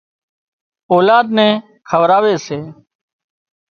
اولاد نين کوَراوي سي